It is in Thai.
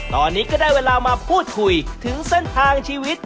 ตอนนี้ก็ได้เวลามาพูดคุยถึงเส้นทางชีวิต